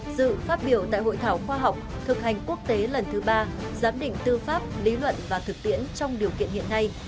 dự phát biểu tại hội thảo khoa học thực hành quốc tế lần thứ ba giám định tư pháp lý luận và thực tiễn trong điều kiện hiện nay